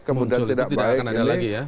kemudian tidak baik